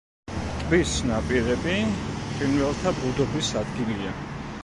ტბის ნაპირები ფრინველთა ბუდობის ადგილია.